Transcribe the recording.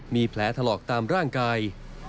มีแผลถลอกตามร่างกาย